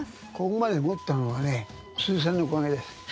ここまで持ったのはね鈴木さんのおかげです。